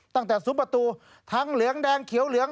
ตั้งแต่สุ้มประตูทั้งเหลืองแดงเขียวเหลือง